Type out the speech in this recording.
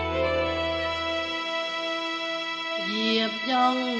พี่เกดแก้วโอกาสเป็นของพี่เกดด้วยเพียงดูดีจนในช่องว่างไปแล้ววิสุภาพแห่งลูกห้อง